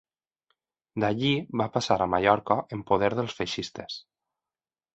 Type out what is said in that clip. D'allí va passar a Mallorca, en poder dels feixistes.